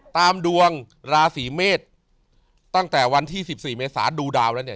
ตามดวงราศีเมษตั้งแต่วันที่๑๔เมษาดูดาวแล้วเนี่ย